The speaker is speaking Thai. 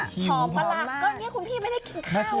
ทำเมียไม่เป็นชอบมีผู้